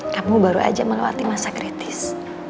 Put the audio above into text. kamu baru aja melewati masa kritis